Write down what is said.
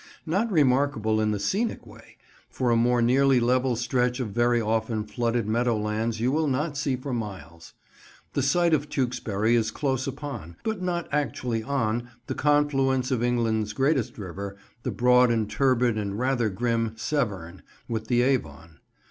Not remarkable in the scenic way, for a more nearly level stretch of very often flooded meadow lands you will not see for miles. The site of Tewkesbury is close upon, but not actually on, the confluence of England's greatest river, the broad and turbid and rather grim Severn, with the Avon.